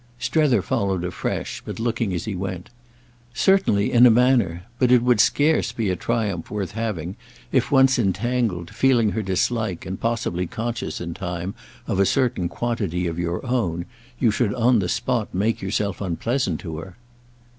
Strether followed afresh, but looking as he went. "Certainly—in a manner. But it would scarce be a triumph worth having if, once entangled, feeling her dislike and possibly conscious in time of a certain quantity of your own, you should on the spot make yourself unpleasant to her."